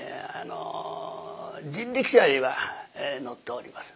人力車には乗っております。